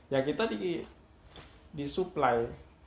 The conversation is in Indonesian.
ya kita disuplai